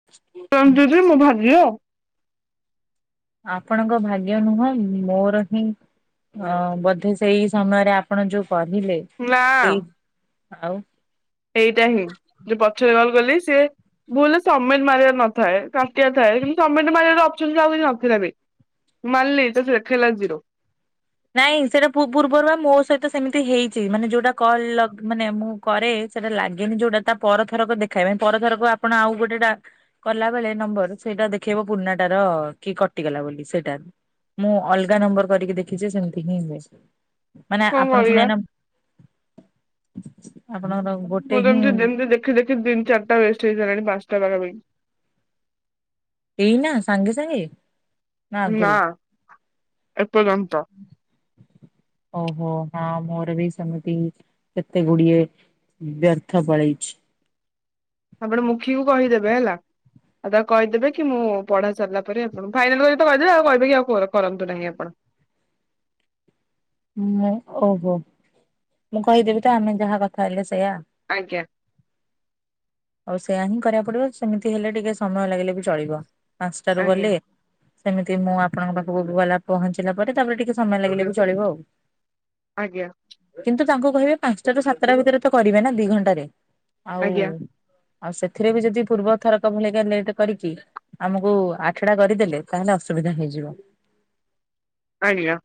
[inaudible] କି ମୁଁ ଭାଗ୍ୟ। ଆପଣଙ୍କ ଭାଗ୍ୟ ନୁହଁ ମୋର ହିଁ ଅ ବୋଧେ ସେଇ ସମୟରେ ଆପଣ ଯୋଉ କହିଲେ। ନାଁ। ସେଇ ଆଉ। ଏଇଟା ହିଁ ଯୋଉ ପଛରେ କଲ୍ କଲି ସିଏ। ଭୁଲ ରେ ସମିଟ ମାରିବା ନଥାଏ କାଟିବା ଥାଏ କିନ୍ତୁ ସମିଟ୍ ମାରିବା ଅପସନ୍ ଆଉ କିଛି ନଥିଲା ବି। ମାରିଲି ତ ସେ ଦେଖେଇଲା ଜିରୋ। ନାଇଁ ସେଟା ପୂର୍ବରୁ ପରା ମୋ ସହିତ ସେମିତି ହେଇଛି ମାନେ ଯୋଉଟା କଲ ଲଗ ମାନେ ମୁଁ କରେ ସେଇଟା ଲାଗେନି ଯୋଉଟା ତା ପରଥରକ ଦେଖାଇବା ପାଇଁ ପରଥରକ ଆପଣ ଆଉ ଗୋଟେ ଟା କଲା ବେଳେ ନମ୍ବର ସେଇଟା ଦେଖେଇବ ପୁରୁଣାଟାର କି କଟିଗଲା ବୋଲି ସେଇଟାରୁ। ମୁଁ ଅଲଗା ନମ୍ବର କରିକି ଦେଖିଛି ସେମିତି ହିଁ ହୁଏ ମାନେ କଣ ଆପଣ କରିବା ସେମାନେ ଆପଣଙ୍କର ଗୋଟେ ମୁଁ ହିଁ ଯେମତି ଯେମତି ଦେଖି ଦେଖି ତିନ ଚାରିଟା ୱେଷ୍ଟ ହେଇଗଲାଣି ପାଞ୍ଚଟା ପାଖା ପାଖି। ଏଇନା ସାଙ୍ଗେ ସାଙ୍ଗେ? ନା ନାଁ ଆଗରୁ? ଏପର୍ଯ୍ୟନ୍ତ। ଓହୋ ହଁ ମୋର ବି ସେମିତି କେତେ ଗୁଡିଏ ବ୍ୟର୍ଥ ପଳେଇଛି। ଆପଣ ମୁଖୀ କୁ କହିଦେବେ ହେଲା। ଆଉ ତାକୁ କହିଦେବେ କି ମୁଁ ପଢା ସାରିଲା ପରେ ଆପଣ ଫାଇନାଲ କରିତ କହିଦେବେ ଆଉ କହିବେ କି ଆଉ କରନ୍ତୁ ନାହିଁ ଆପଣ। ମୁଁ ଓହୋ ମୁଁ କହିଦେବି ତ ଆମେ ଯାହା କଥା ହେଲେ ସେଇୟା। ଆଜ୍ଞା। ଆଉ ସେୟଆ ହିଁ କରିବାକୁ ପଡିବ ସେମିତି ହେଲେ ଟିକେ ସମୟ ଲାଗିଲେ ବି ଚଳିବ ପାଞ୍ଚଟାରୁୁ ଆଜ୍ଞା ଗଲେ। ସେମିତି ମୁଁ ଆପଣଙ୍କ ପାଖକୁ ଗଲା ପହଞ୍ଚିଲା ପରେ ତାପରେ ଟିକେ ସମୟ ଲାଗିଲେ ବି ଚଳିବ ଆଉ। ଆଜ୍ଞା। କିନ୍ତୁ ତାଙ୍କୁ କହିବେ ପାଞ୍ଚଟା ରୁ ସାତଟା ଭିତରେ ତ କରିବେ ନା ଦି ଘଣ୍ଟାରେ ଆଉ। ଆଜ୍ଞା ଆଉ ସେଥିରେ ବି ଯଦି ପୂର୍ବ ଥରକ ଭଳିକା ଲେଟ୍ କରିକି ଆମକୁ ଆଠଡା କରିଦେଲେ ତାହେଲେ ଅସୁବିଧା ହେଇଯିବ। ଆଜ୍ଞା।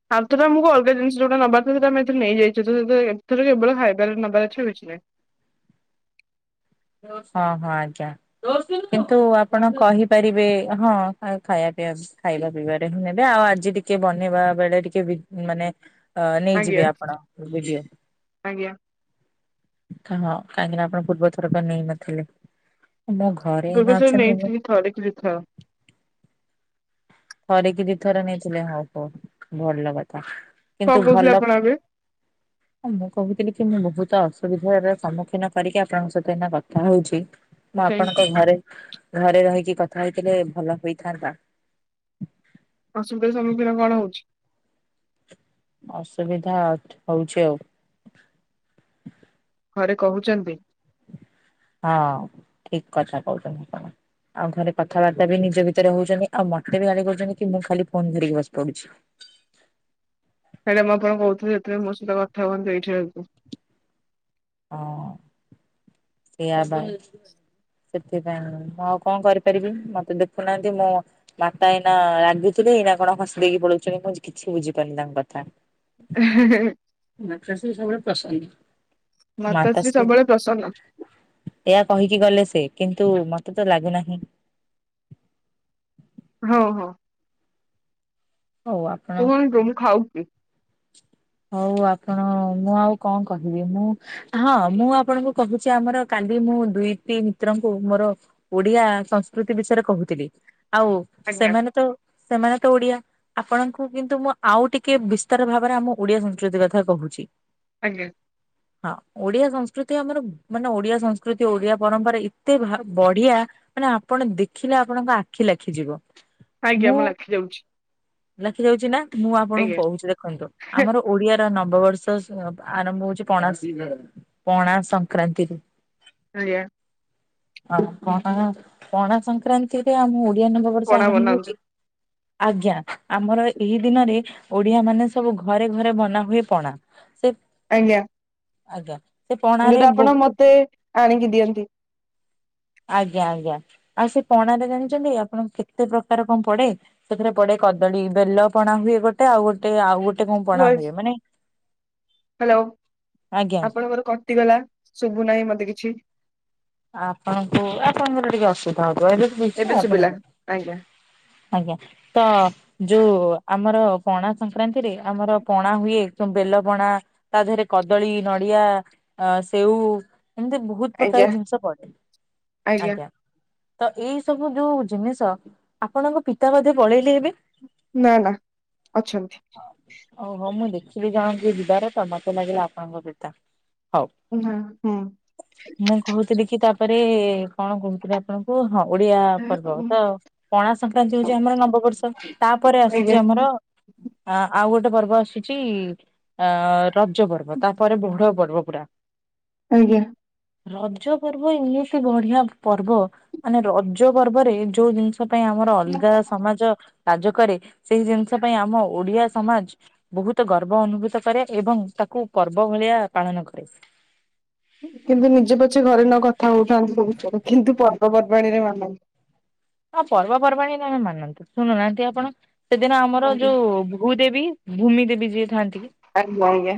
[unintelligible] ଆମୁକୁ ଅଲଗା ଜିନିଷ ଯୋଉଟା ନବାର ଥିଲା ସେଇଟା ଆମେ ଏଥିରେ ନେଇଯାଇଛୁ ତ [unintelligible] ଏଥର କେବଳ ଖାଇବାରେ ନବାର ଅଛି ଆଉ କିଛି ନାହିଁ। ହଁ ହଁ ଆଜ୍ଞା। କିନ୍ତୁ ଆପଣ କହିପାରିବେ ହଁ [unintelligible] ଖାଇବା ପିଇଆ ଖାଇବା ପିଇବାରେ ହିଁ ନେବେ। ଆଉ ଆଜି ଟିକେ ବନେଇବା ବେଳେ ଟିକେ ବିଦ୍ ମାନେ ଅଁ ଆଜ୍ଞା ନେଇଯିବେ ଆପଣ ଭିଡିଓ। ଆଜ୍ଞା ହଁ କାହିଁକି ନା ଆପଣ ପୂର୍ବ ଥରକ ନେଇନଥିଲେ। ମୁଁ ପୂର୍ବ ଥର ନେଇଥିଲି ଥରେ କି ଦି ଥର। ଥରେ କି ଦୁଇଥର ନେଇଥିଲେ ହଉ ହଉ ଭଲ କଥା। କଣ କିନ୍ତୁ କହୁଥିଲେ ଭଲ ଆପଣ ଏବେ ମୁଁ କହୁଥିଲି କି ମୁଁ ବହୁତ ଅସୁବିଧାର ସମ୍ମୁଖୀନ କରିକି ଆପଣଙ୍କ ସହିତ ଏଇନା କଥା ହଉଛି। ମୁଁ ଯାଇକି ଆପଣଙ୍କ ଘରେ ଘରେ ରହିକି କଥା ହେଇଥିଲେ ଭଲ ହୋଇଥାନ୍ତା। ଅସୁବିଧାର ସମ୍ମୁଖୀନ କଣ ହଉଛି? ଅସୁବିଧା ହଉଛି ଆଉ। ଘରେ କହୁଛନ୍ତି ହଁ ଠିକ୍ କଥା କହୁଛନ୍ତି କଣ। ଆଉ ଘରେ କଥାବାର୍ତ୍ତା ବି ନିଜ ଭିତେରେ ହଉଛନ୍ତି ଆଉ ମତେ ବି ଗାଳି କରୁଛନ୍ତି କି ମୁଁ ଖାଲି ଫୋନ୍ ଧରିକି ବସି ପଡୁଛି। ସେଇଟା ମୁଁ ଆପଣଙ୍କୁ କହୁଥିଲି ଯେତେବେଳେ ମୋ ସହିତ କଥା ହୁଅନ୍ତୁ ଏଇଠି ରହିକି। ହଁ ସେଇଆ ବା। ସେଥିପାଇଁ ମୁଁ ଆଉ କଣ କରିପାରିବି? ମତେ ଦେଖୁନାହାଁନ୍ତି ମୁଁ ମାତା ଏଇନା ରାଗୁଥିବେ ଏଇନା କଣ ହସି ଦେଇକି ପଳଉଛନ୍ତି ମୁଁ କିଛି ବୁଝିପାରୁନି ତାଙ୍କ କଥା। ହେଁ ହେଁ ହେଁ। ମାତାଶ୍ରୀ ସବୁବେଳେ ପ୍ରସନ୍ନ। ମାତାଶ୍ରୀ ସବୁବେଳେ ପ୍ରସନ୍ନ। ଏଇଆ କହିକି ଗଲେ ସେ କିନ୍ତୁ ମତେ ତ ଲାଗୁନାହିଁ। ହଁ ହଁ। ହଉ ଆ କୁହନ୍ତୁ ମୁଁ ଖାଉଛି। ହଉ ଆପଣ ମୁଁ ଆଉ କଣ କହିବି? ମୁଁ ହଁ ମୁଁ ଆପଣଙ୍କୁ କହୁଛି ଆମର କାଲି ମୁଁ ଦୁଇଟି ମିତ୍ରଙ୍କୁ ମୋର ଓଡିଆ ସଂସ୍କୃତି ବିଷୟରେ କହୁଥିଲି ଆଉ ଆଜ୍ଞା ସେମାନେ ତ ସେମାନେ ତ ଓଡିଆ ଆପଣଙ୍କୁ କିନ୍ତୁ ମୁଁ ଆଉ ଟିକେ ବିସ୍ ତାର ଭାବରେ ଆମ ଓଡିଆ ସଂସ୍କୃତି କଥା କହୁଛି। ଆଜ୍ଞା। ହଁ। ଓଡିଆ ସଂସ୍କୃତି ଆମର ମାନେ ଓଡିଆ ସଂସ୍କୃତି ଓଡିଆ ପରମ୍ପରା ଏତେ ଭା ବଢିଆ ମାନେ ଆପଣ ଦେଖିଲେ ଆପଣଙ୍କ ଆଖି ଲାଖିଯିବ। ଆଜ୍ଞା ମୁଁ ଲାଖି ଯାଉଛି। ଲାଖିଯାଉଛି ନା ମୁଁ ଆଜ୍ଞା ଆପଣଙ୍କୁ କହୁଛି ଦେଖନ୍ତୁ ଆମର ଓଡିଆର ନବବର୍ଷ ସ ଆରମ୍ଭ ହଉଛି ପଣାସସ୍ ପଣା ସଂକ୍ରାନ୍ତିରୁ। ଆଜ୍ଞା। [unintelligible] ପଣା ପଣା ସଂକ୍ରାନ୍ତିରେ ଆମ ଓଡିଆ ନବ ବର୍ଷ ପଣା ଆରମ୍ଭ ବନାନ୍ତୁ ହଉଛି। ଆଜ୍ଞା ଆମର ଏଇ ଦିନରେ ଓଡିଆ ମାନେ ସବୁ ଘରେ ଘରେ ବନା ହୁଏ ପଣା। ସେ ଆଜ୍ଞା। ଆଜ୍ଞା। ସେ ପଣାରେ ଯୋଉଟା ଆପଣ ବହୁତ ମତେ ଆଣିକି ଦିଅନ୍ତି। ଆଜ୍ଞା ଆଜ୍ଞା ଆଉ ସେ ପଣାରେ ଜାଣିଛନ୍ତି ଆପଣ କେତେ ପ୍ରକାର କଣ ପଡେ? ସେଥିରେ ପଡେ କଦଳୀ ବେଲ ପଣା ହୁଏ ଗୋ ଟେ ଆଉ ଗୋଟେ ଆଉ ଗୋଟେ କଣ ପଣା ହୁଏ ମାନେ ହାଲୋ ଆଜ୍ଞା ଆପଣଙ୍କର କଟିଗଲା ଶୁଭୁ ନାହିଁ ମତେ କିଛି। ଆପଣଙ୍କୁ ଆପଣଙ୍କର ଟିକେ ଅସୁବିଧା ହବ ଏବେ ତ କିଛି ଶୁଭିଲା ଆଜ୍ଞା ଆପଣଙ୍କ ଆଜ୍ଞା ତ ଯୋଉ ଆମର ପଣା ସଂକ୍ରାନ୍ତିରେ ଆମର ପଣା ହୁଏ ଯୋଉ ବେଲ ପଣା ତା ଦେହେରେ କଦଳୀ ନଡିଆ ଆ ସେଉ ଏମିତି ବ ବହୁତ ପ୍ରକାର ଆଜ୍ଞା ଜିନିଷ ପଡ଼ିଥାଏ ଆଜ୍ଞା। ତ ଏଇ ସବୁ ଯୋଉ ଜିନିଷ ଆପଣଙ୍କ ପିତା ବୋଧେ ପଳେଇଲେ ଏବେ? ନାଁ ନାଁ ଅଛନ୍ତି। ଓ ହୋ ମୁଁ ଦେଖିଲି ଜଣକୁ ଯିବାର ତ ମତେ ଲାଗିଲା ଆପଣଙ୍କ ପିତା ହଉ। ନାଁ ହୁଁ। ମୁଁ କହୁଥିଲି କି ତାପରେ କଣ କହୁ ଥିଲି ଆପଣଙ୍କୁ ହଁ ଓଡିଆ ପର୍ବ ତ ପଣା ସଂକ୍ରାନ୍ତି ହଉଛି ଆମର ନବବର୍ଷ ତାପରେ ଆଜ୍ଞା ଆସୁଛି ଆମର ଆ ଆଉ ଗୋଟେ ପର୍ବ ଆସୁଛି ଆ ରଜ ପର୍ବ ତାପରେ ବଡ ପର୍ବ ପୁରା। ଆଜ୍ଞା। ରଜ ପର୍ବ ଏମିତି ବଢିଆ ପର୍ବ ମାନେ ରଜ ପର୍ବରେ ଯୋଉ ଜିନିଷ ଆମ ପାଇଁ ଆମର ଅଲଗା ସମାଜ କାର୍ଯ୍ୟ କରେ ସେଇ ଜିନିଷ ପାଇଁ ଆମ ଓଡିଆ ସମାଜ ବହୁତ ଗର୍ବ ଅନୁଭୂତ କରେ ଏବଂ ତାକୁ ପର୍ବ ଭଳିଆ ପାଳନ କରେ। କିନ୍ତୁ ନିଜେ ପଛେ ଘରେ ନ କଥା ହଉଥାନ୍ତି ସେ ବିଷୟରେ କିନ୍ତୁ ପର୍ବ ପର୍ବାଣୀରେ ମାନନ୍ତି। ହଁ ପର୍ବ ପର୍ବାଣୀରେ ଆମକୁ ମାନନ୍ତି ଶୁଣୁ ନାହାଁନ୍ତି ଆପଣ ସେଦିନ ଆମର ଆଜ୍ଞା ଯୋଉ ଭୂ ଭୂ ଦେବୀ ଭୂମି ଦେବୀ ଯିଏ ଥାଆନ୍ତି ଆଜ୍ଞା ଆଜ୍ଞା।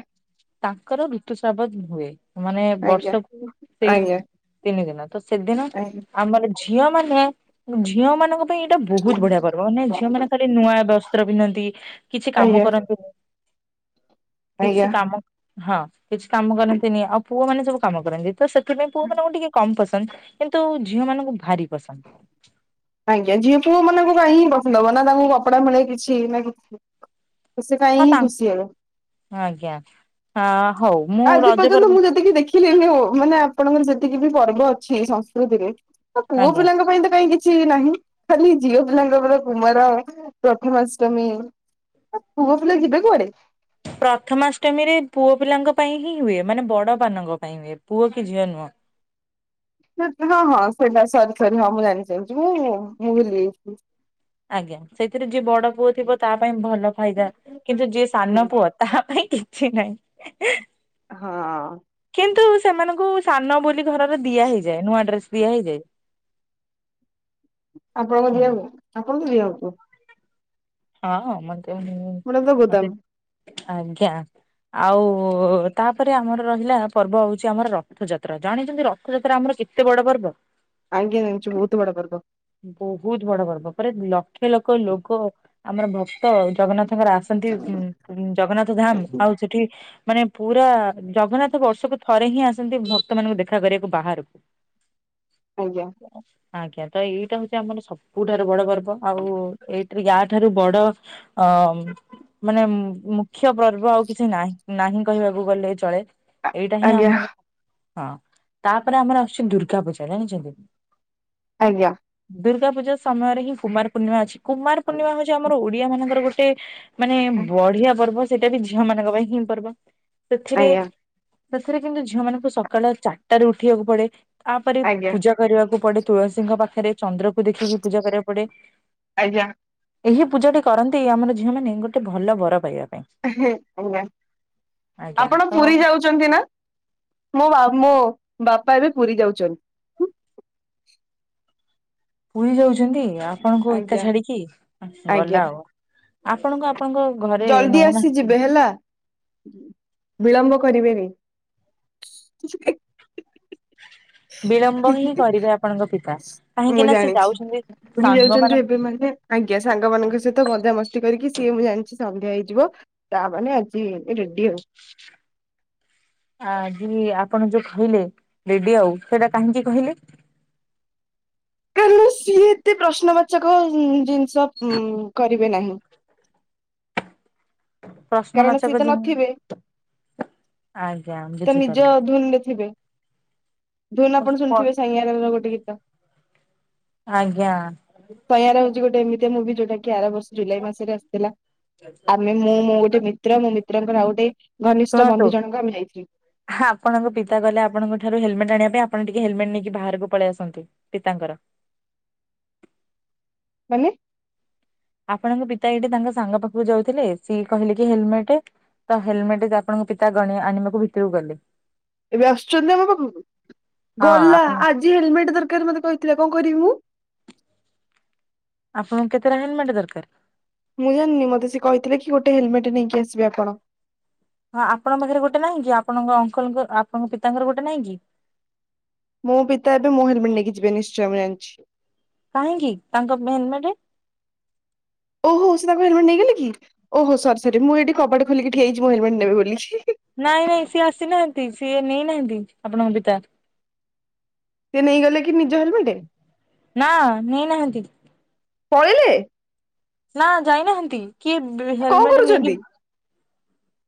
ତାଙ୍କର ଋତୁସ୍ରାବ ହୁଏ। ମାନେ ଆଜ୍ଞା ବର୍ଷକୁ ସେଇ ଆଜ୍ଞା। ତିନି ଦିନ ତ ସେଦିନ ଆଜ୍ଞା ଆମର ଝିଅ ମାନେ ଝିଅ ମାନଙ୍କ ପାଇଁ ଏଇଟା ବହୁତ ବଢିଆ ପର୍ବ ମାନେ ଝିଅ ମାନେ ଖାଲି ନୂଆ ବସ୍ତ୍ର ପିନ୍ଧନ୍ତି କିଛି କାମ ଆଜ୍ଞା କରନ୍ତିନି କିଛି ଆଜ୍ଞା କାମ ହଁ କିଛି କାମ କରନ୍ତିନି ଆଉ ପୁଅ ମାନେ ସବୁ କାମ କରନ୍ତି ତ ସେ ଥିପାଇଁ ପୁଅ ମାନଙ୍କୁ ଟିକେ କମ୍ ପସନ୍ଦ କିନ୍ତୁ ଝିଅ ମାନଙ୍କୁ ଭାରି ପସନ୍ଦ। ଆଜ୍ଞା ଝିଅ ପୁଅ ମାନଙ୍କ ପାଇଁ ପସନ୍ଦ ହବ ନା ତାଙ୍କୁ କପଡା ମିଳେ କିଛି ନା କିଛି ତ ସେ ହଁ ତା କାହିଁକି ଖୁସି ହେବେ? ଆଜ୍ଞା ଆ ହଉ ମୁଁ ଆଜି ପର୍ଯ୍ୟନ୍ତ ମୁଁ ରଜପର୍ବ [inaudible] ମାନେ ଆପଣଙ୍କର ଯେତିକି ବି ପର୍ବ ଅଛି ସଂସ୍କୃତିରେ ତ ପୁଅ ଆଜ୍ଞା। ପିଲାଙ୍କ ପାଇଁ ତ କାହିଁକି କିଛି କିଛି ନାହିଁ ଖାଲି ଝିଅ ପିଲାଙ୍କର କୁମାର ପ୍ରଥମାଷ୍ଟମୀ ତ ପୁଅ ପିଲା ଯିବେ କୁଆଡେ? ପ୍ରଥମାଷ୍ଟମୀରେ ପୁଅ ପିଲାଙ୍କ ପାଇଁ ହିଁ ହୁଏ ମାନେ ବଡ ମାନଙ୍କ ପାଇଁ ହୁଏ ପୁଅ କି ଝିଅ ନୁହଁ। ହଁ ହଁ ସେଇଟା ସତ ନୁହଁ ମୁଁ ଜାଣି ସାରିଛି ମୁଁ ମୁଁ ଭୁଲି ଯାଇଥିଲି। ଆଜ୍ଞା ସେଇଥିରେ ଯିଏ ବଡ ପୁଅ ଥିବ ତା ପାଇଁ ଭଲ ଫାଇଦା କିନ୍ତୁ ଯିଏ ସାନ ପୁଅ ତାହା ପାଇଁ କିଛି ନାହିଁ। ହଁ। କିନ୍ତୁ ସେମାନଙ୍କୁ ସାନ ବୋଲି ଘରର ଦିଆ ହେଇଯାଏ। ନୂଆ ଡ୍ରେସ ଦିଆ ହେଇଯାଏ। ଆପଣଙ୍କୁ ହୁଁ, ଦିଆକୁ ଆପଣଙ୍କୁ ଦିଆ ହଉ ତୁ [unintelligible] ହଁ ମତେ ଏଟା ତ ମତେ ଗୋଦାମ ଆଜ୍ଞା। ଆଉ ତାପରେ ଆମର ରହିଲା ପର୍ବ ହଉଛି ଆମର ରଥଯାତ୍ରା ଜାଣି ଛନ୍ତି ରଥଯାତ୍ରା ଆମର କେ ତେ ବଡ଼ ପର୍ବ। ଆଜ୍ଞା ଜାଣିଚୁ ବହୁତ ବଡ଼ ପର୍ବ। ବହୁତ ବଡ ପର୍ବ ପରେ ଲକ୍ଷେ ଲକ୍ଷ ଲୋକ ଆମର ଭକ୍ତ ଜଗନ୍ନାଥଙ୍କର ଆସ ଛନ୍ତି ଜଗନ୍ନାଥ ଧାମ ଆଉ ସେଠି ମାନେ ପୁରା ଜଗନ୍ନାଥ ବର୍ଷକୁ ଥରେ ହିଁ ଆସନ୍ତି ଭକ୍ତ ମାନଙ୍କୁ ଦେଖା କରିବାକୁ ବାହାରକୁ। [unintelligible] ଆଜ୍ଞା। ଆଜ୍ଞା ତ ଏଇଟା ହଉଛି ଆମର ସବୁଠାରୁ ବଡ ପର୍ବ ଆଉ ଏଇଠା ରେ ଗା ତା ଠାରୁ ବଡ ଅ ମାନେ ମୁଖ୍ୟ ପର୍ବ ଆଉ କିଛି ନାଁ ନାହିଁ କହିବାକୁ ଗଲେ ଚଳେ। ଏଇଟା ହିଁ ଆଜ୍ଞା ଆମର ହଁ ତାପରେ ଆମର ଆସୁଛି ଦୁର୍ଗା ପୂଜା ଜାଣିଛନ୍ତି। ଆଜ୍ଞା। ଦୁର୍ଗା ପୂଜା ସମୟରେ ହିଁ କୁମାର ପୂର୍ଣ୍ଣିମା ଅଛି। କୁମାର ପୂର୍ଣ୍ଣିମା ଆଜ୍ଞା ହଉଛି ଆମ ଓଡିଆ ମାନଙ୍କର ଗୋଟେ ମାନେ ବଢିଆ ପର୍ବ ସେଇଟା ବି ଝିଅ ମାନଙ୍କ ପାଇଁ ହିଁ ପର୍ବ। ସେଥିରେ ଆଜ୍ଞା ସେଥିରେ କିନ୍ତୁ ଝିଅ ମାନଙ୍କୁ ସକାଳ ଚାରିଟା ରେ ଉଠିବାକୁ ପଡେ ତାପରେ ଆଜ୍ଞା ପୂଜା କରିବାକୁ ପଡେ ତୁଳସୀଙ୍କ ପାଖରେ ଚନ୍ଦ୍ର କୁ ଦେଖିକି ପୂଜା କରିବାକୁ ପଡେ। ଆଜ୍ଞା। ଏହି ପୂଜାଟି କରନ୍ତି ଆମର ଝିଅ ମାନେ ଗୋଟେ ଭଲ ବର ପାଇବା ପାଇଁ। ଆଜ୍ଞା ଆଜ୍ଞା ଆପଣ ତ ପୁରୀ ଯାଉଛ ଛନ୍ତି ମୋ ମୋ ବାପା ଏବେ ପୁରୀ ଯାଉଛନ୍ତି। ପୁରୀ ଯାଉଛନ୍ତି ଆପଣଙ୍କୁ ଏକା ଆଜ୍ଞା ଛାଡିକି ଆଜ୍ଞା ଗଲା ଆଉ ଆପଣଙ୍କୁ ଆପଣଙ୍କ। ଘରେ ଜଲଦି ନଉନାହାନ୍ତି ଆସିଯିବେ ହେଲା। ବିଳମ୍ବ କରିବେନି। ହ [unintelligible] ବିଳମ୍ବ ହିଁ କରିବେ ଆପଣଙ୍କ ପିତା ମୁଁ କାହିଁକି ନା ସେ ଜାଣିଛି ଯାଉଛନ୍ତି ପୁରୀ ସାଙ୍ଗ ଯାଉଛନ୍ତି ଏବେ ମାନଙ୍କ। ମାନେ ଆଜ୍ଞା ସାଙ୍ଗମାନଙ୍କ ସହିତ। ତ ମଜାମସ୍ତି କରିକି ସିଏ ମୁଁ ଜାଣିଛି ସନ୍ଧ୍ୟା ହେଇଯିବ। ତା ମାନେ ଆଜି ରେଡି ଆଉ। ହ [unintelligible] ଆଜି ଆପଣ ଯୋଉ କହିଲେ ଲେଡି ଆଉ ସେଇଟା କାହିଁକି କହିଲେ? କାରଣ ସିଏ ଏତେ ପ୍ରଶ୍ନବାଚକ ଜିନିଷ ଉଉଁ କରିବେ ନାହିଁ। ପ୍ରଶ୍ନ କାରଣ ବାଚକ ସି ଏ ତ ଜିନ୍ ନଥିବେ। ଆଜ୍ଞା। ତ ନିଜ ବୁଝିପାରିଲି। ଧୁନ ରେ ଥିବେ। ଧୁନ ଆପଣ ଶୁଣିଥିବେ ସେଇଁଆର ଆର ଗୋଟେ ଗୀତ। ଆଜ୍ଞା। ପୟାର ହଉଛି ଗୋଟେ ଏମତି ମୁଁଭି ବି ଯଉଟାକି ଆର ବର୍ଷ ଜୁଲାଇ ମାସରେ ଆସିଥିଲା ଆମେ ମୁଁ ମୋ ଗୋଟେ ମିତ୍ର ମୋ ମିତ୍ରଙ୍କର ଆଉ ଗୋଟେ ଘନିଷ୍ଠ ବନ୍ଧୁ ଜଣକ ଆମେ ଯାଇଥିଲୁ। ହା ଆପଣ ଙ୍କ ପିତା କହଲେ ଆପଣଙ୍କଠାରୁ ହେଲମେଟ୍ ଆଣିବା ପାଇଁ ଆପଣ ଟିକେ ହେଲମେଟ୍ ନେଇକି ବାହାରକୁ ପଳେଇ ଆସନ୍ତୁ। ପିତାଙ୍କର। ମାନେ? ଆପଣଙ୍କ ପିତା ଏଇଠି ତାଙ୍କ ସାଙ୍ଗ ପାଖକୁ ଯାଉଥିଲେ, ସିଏ କହିଲେ କି ହେଲମେଟ? ତ ହେଲମେଟ ଯେ ଆପଣଙ୍କ ପିତା ଗଣ ଆଣିବାକୁ ଭିତରକୁ ଗଲେ। ଏବେ ଆସୁଛନ୍ତି ନା ମୋ ପାଖକୁ? ହଁ ଗଲା ଆପଣ ଆଜି ହେଲମେଟ ଦରକାର ମତେ କହିଥିଲା କଣ କରିବି ମୁଁ? ଆପଣଙ୍କୁ କେତେଟା ହେଲମେଟ୍ ଦରକାର? ମୁଁ ଜାଣିନି, ମତେ ସେ କହିଥିଲେ କି, ଗୋଟେ ହେଲମେଟ୍ ନେଇକି ଆସିବେ ଆପଣ। ହଁ ଆପଣଙ୍କ ପାଖରେ ଗୋଟେ ନାହିଁ କି? ଆପଣଙ୍କ ଅଙ୍କଲ ଆପଣଙ୍କ ପିତାଙ୍କର ଗୋଟେ ନାହିଁ କି? ମୋ ପିତା ଏବେ ମୋ ହେଲମେଟ ନେଇକି ଯିବେ, ନିଶ୍ଚୟ ମୁଁ ଜାଣିଛି। କାହିଁକି ତାଙ୍କ ମେନ୍ ମେଡ୍? ଓହୋ ସେ ତାଙ୍କ ହେଲମେଟ୍ ନେଇଗଲେ କି? ଓହୋ ସରି ସରି, ମୁଁ ଏଇଠି କବାଟ ଖୋିଲିକି ଠିଆହେଇଛି ମୋ ହେଲମେଟ ନେବେ ବୋଲି। ନାଇଁ ନାଇଁ ସିଏ ଆସିନାହାନ୍ତି, ସିଏ ନେଇନାହାନ୍ତି। ଆପଣଙ୍କ ପିତା। ସେ ନେଇଗଲେ କି ନିଜ ହେଲମେଟ୍? ନା ନେଇନାହାନ୍ତି। ପଳେଇଲେ? ନା ଯାଇନାହାନ୍ତି, କିଏ ବି କଣ ହେଲମେଟ ନେଇକି କରୁଛନ୍ତି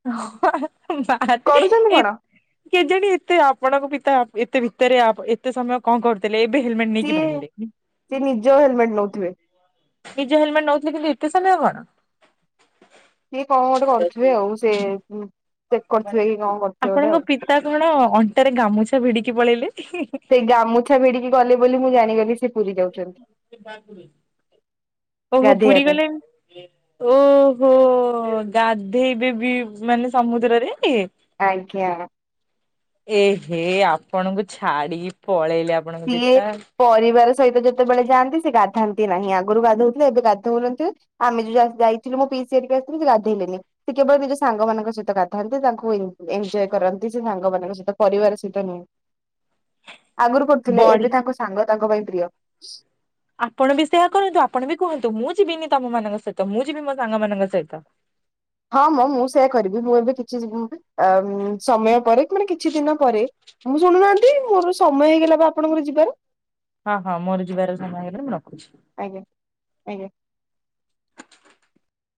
ବା। କରୁଛନ୍ତି କଣ? କେଜାଣି? ଏତେ ଆପଣଙ୍କ ପିତା ଏତେ ଭିତରେ ଆପ ଏତେ ସମୟ କଣ କରୁଥିଲେ, ଏବେ ହେଲମେଟ୍ ନେଇକି ସିଏ ବାହାରିଲେ। ସେ ନିଜ ହେଲମେଟ ନଉଥିବେ। ନିଜ ହେଲମେଟ୍ ନଉଥିଲେ, କିନ୍ତୁ ଏତେ ସମୟ କଣ? ସେ କଣ ଗୋଟେ କରୁଥିବେ ଆଉ, ସେ ଚେକ୍ କରୁଥିବେ କି କଣ କରୁଥିବେ ଗୋଟେ ଆଉ। ତା କଣ ଅଣ୍ଟାରେ ଗାମୁଛା ଭିଡିକି ପଳେଇଲେ। ସେ ଗାମୁଛା ଭିଡିକି ଗଲେ ବୋଲି, ମୁଁ ଜାଣିଗଲି ସେ ପୁରୀ ଯାଉଛନ୍ତି। ଓ ହୋ ଗାଧେଇବା ପୁରୀ ପାଇଁ। ଗଲେ ଓ ହୋ ଗାଧେଇବେ ବି ମାନେ ସମୁଦ୍ରରେ କି! ଆଜ୍ଞା। ଏହେ ଆପଣଙ୍କୁ ଛାଡିକି ପଳେଇଲେ ଆପଣଙ୍କ ଇଏ ପିତା। ପରିବାର ସହିତ ଯେତେବେଳେ ଯାଆନ୍ତି ସେ ଗାଧାନ୍ତି ନାହିଁ, ଆଗରୁ ଗାଧଉଥିଲେ ଏବେ ଗାଧଉନଥିବେ ଆମେ ଯୋଉ ଯାଇଥିଲୁ ମୋ ପିସିଘରିକା ଆସିଥିଲ, ସେ ଗଧେଇଲେନି। ସେ କେବଳ ନିଜ ସାଙ୍ଗମାନଙ୍କ ସହିତ ଗାଧାନ୍ତି, ତାଙ୍କୁ ଏନଜୟ କରନ୍ତି, ସେ ସାଙ୍ଗମାନଙ୍କ ସହିତ ପରିବାର ସହିତ ନୁହେଁ। [inaudible] ଆଗରୁ କରୁଥିଲେ। ଏବେ ବଢିଆ ତାଙ୍କ ସାଙ୍ଗ ତାଙ୍କ ପାଇଁ ପ୍ରିୟ। ଆପଣ ବି ସେୟା କରନ୍ତୁ, ଆପଣ ବି କୁହନ୍ତୁ, ମୁଁ ଯିବିନି ତମ ମାନଙ୍କ ସହିତ, ମୁଁ ଯିବି ମୋ ସାଙ୍ଗମାନଙ୍କ ସହିତ। ହଁ ମଁ, ମୁଁ ସେୟା କରିବି। ମୁଁ ଏବେ କିଛି ଯିବିନି ପା। ଆ ସମୟ କରେ, ମାନେ କିଛି ଦିନ କରେ, ମୁଁ ଶୁଣୁନାହାନ୍ତି ମୋର ସମୟ ହେଇଗଲା ବା ଆପଣଙ୍କର ଯିବାର? ହଁ ହଁ, ମୋର ଯିବାର ସମୟ ହେଗଲା ମୁଁ ରଖୁଛି। ଆଜ୍ଞା, ଆଜ୍ଞା।